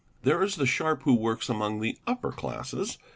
_ There is the sharp who works among the upper classes.